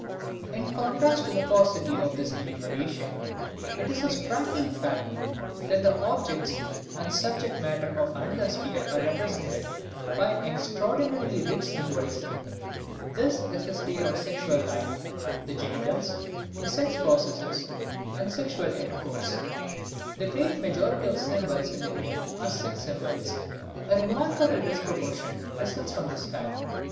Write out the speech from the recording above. In contrast to the paucity of this enumeration, it is a striking fact that the objects and subject matter of another sphere are represented by an extraordinarily rich symbolism. This is the sphere of the sexual life, the genitals, the sex processes and sexual intercourse. The great majority of symbols in the dream are sex symbols. A remarkable disproportion results from this fact.